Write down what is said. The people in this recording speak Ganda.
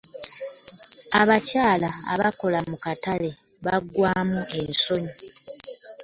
Abakyala abakola mu katale bagwamu ensonyi.